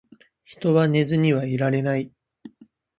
人は寝ずにはいられない